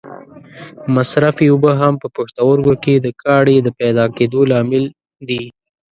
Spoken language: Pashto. مصرفې اوبه هم په پښتورګو کې د کاڼې د پیدا کېدو لامل دي.